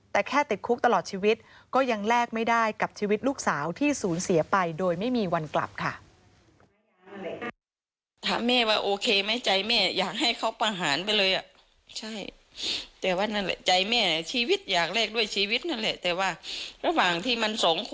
แต่แค่ติดคุกตลอดชีวิตก็ยังแลกไม่ได้กับชีวิตลูกสาวที่สูญเสียไปโดยไม่มีวันกลับค่ะ